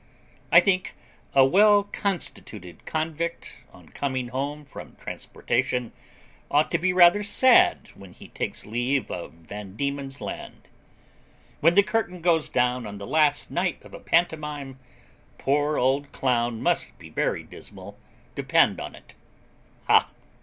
I think a well constituted convict, on coming home from transportation, ought to be rather sad when he takes leave of Van Diemen's Land. When the curtain goes down on the last night of a pantomime, poor old clown must be very dismal, depend on it. Ha!